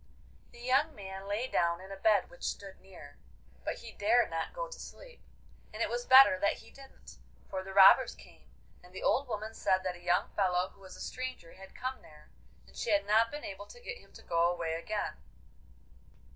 The young man lay down in a bed which stood near, but he dared not go to sleep: and it was better that he didn't, for the robbers came, and the old woman said that a young fellow who was a stranger had come there, and she had not been able to get him to go away again.